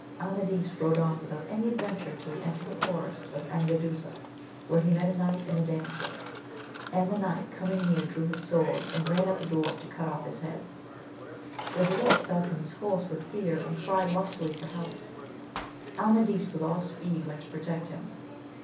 MADIS rode on without any adventure till he entered the forest of Angaduza, where he met a knight and a damsel ; and the knight coming near drew his sword, and ran at the dwarf to cut oflF his head. The dwarf fell from his horse with fear, and cried lustily for help. Amadis with all speed went to protect him.